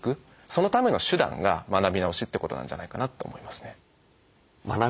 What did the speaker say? そのための手段が学び直しってことなんじゃないかなと思いますね。